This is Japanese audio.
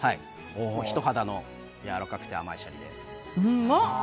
ひと肌のやわらかくて甘いシャリで。